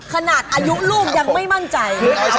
ขนาดอายุลูกยังไม่มั่นใจ